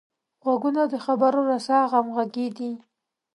غوږونه د خبرو رسه همغږي دي